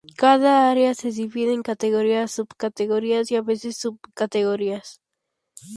Cada área se divide en categorías, subcategorías y a veces sub-subcategorías.